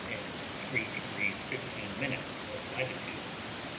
in three degrees fifteen minutes north latitude.